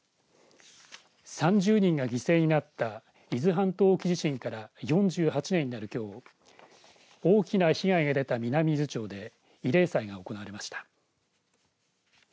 ３０人が犠牲になった伊豆半島沖地震から４８年になるきょう大きな被害が出た南伊豆町で慰霊祭が行われました。